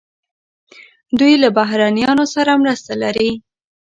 دوی له بهرنیانو سره مینه لري.